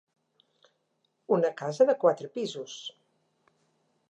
Una casa de quatre pisos.